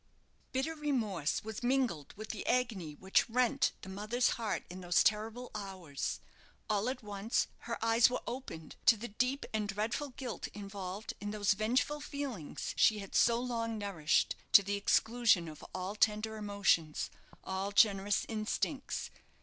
Bitter remorse was mingled with the agony which rent the mother's heart in those terrible hours. All at once her eyes were opened to the deep and dreadful guilt involved in those vengeful feelings she had so long nourished, to the exclusion of all tender emotions, all generous instincts.